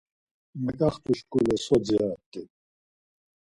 Meǩaxtu şkule so dzirat̆i.